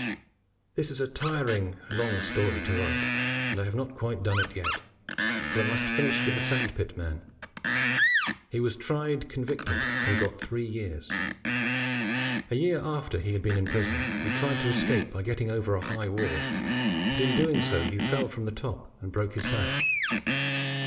This is a tiring long story to write, and I have not quite done it yet, for I must finish with the sand pit man. He was tried, convicted and got three years. A year after he had been in prison he tried to escape by getting over a high wall, but in doing so he fell from the top and broke his back.